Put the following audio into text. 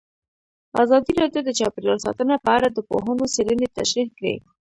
ازادي راډیو د چاپیریال ساتنه په اړه د پوهانو څېړنې تشریح کړې.